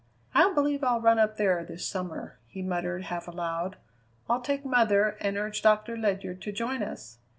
"I believe I'll run up there this summer," he muttered half aloud. "I'll take mother and urge Doctor Ledyard to join us.